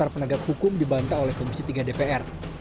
penegak hukum dibantah oleh komisi tiga dpr